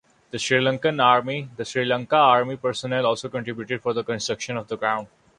The Sri Lanka Army personnel also contributed for the construction of the ground.